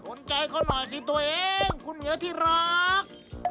สนใจคนหน่อยสิตัวเองคุณเมียที่รัก